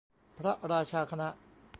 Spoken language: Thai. พระราชาคณะ